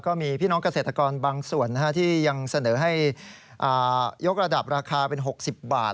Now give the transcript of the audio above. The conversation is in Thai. ก็มีพี่น้องเกษตรกรบางส่วนที่ยังเสนอให้ยกระดับราคาเป็น๖๐บาท